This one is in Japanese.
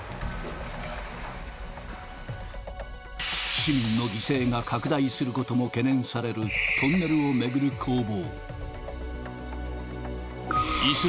市民の犠牲が拡大することも懸念されるトンネルを巡る攻防。